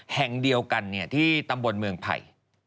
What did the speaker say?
แห่งเดียวกันที่ตำบลเมืองไผ่